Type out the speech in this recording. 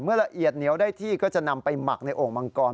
ละเอียดเหนียวได้ที่ก็จะนำไปหมักในโอ่งมังกร